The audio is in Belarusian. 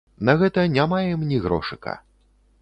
На гэта не маем ні грошыка.